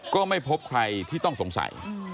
ก็ไม่พบใครที่ต้องสงสัย